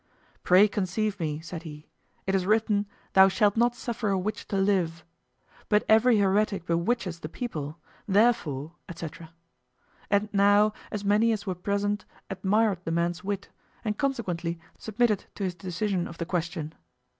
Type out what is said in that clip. "Pray conceive me," said he, "it is written, 'Thou shalt not suffer a witch to live.' But every heretic bewitches the people; therefore, etc." And now, as many as were present admired the man's wit, and consequently submitted to his decision of the question.